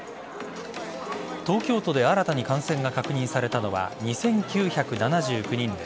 東京都で新たに感染が確認されたのは２９７９人。